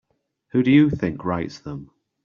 Who do you think writes them?